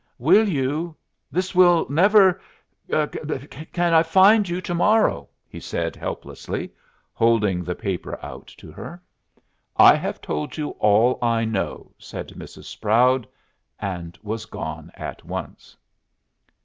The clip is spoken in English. "Will you this will never can I find you to morrow?" he said, helplessly, holding the paper out at her. "I have told you all I know," said Mrs. Sproud, and was gone at once.